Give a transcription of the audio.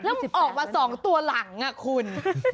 แล้วออกมา๒ตัวหลังคุณ